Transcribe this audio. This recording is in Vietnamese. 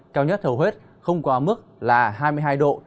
cao nhất thầu huyết không quá mức là hai mươi hai độ